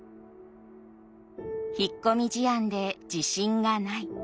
引っ込み思案で自信がない。